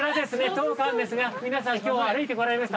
当館ですが皆さん今日は歩いてこられました。